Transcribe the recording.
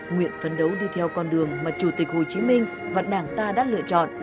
nguyện phấn đấu đi theo con đường mà chủ tịch hồ chí minh và đảng ta đã lựa chọn